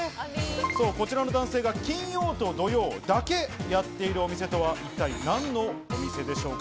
こちらの男性が金曜と土曜だけやっているお店とは、一体何のお店でしょうか？